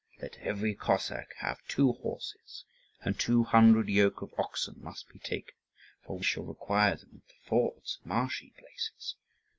Let every Cossack have two horses. And two hundred yoke of oxen must be taken, for we shall require them at the fords and marshy places.